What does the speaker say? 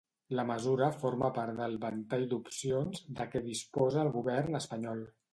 La mesura forma part del ‘ventall d’opcions’ de què disposa el govern espanyol.